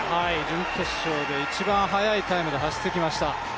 準決勝で一番速いタイムで走ってきました。